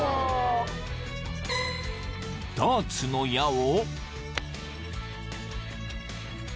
［ダーツの矢を］